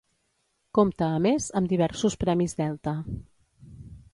Compta a més, amb diversos premis Delta.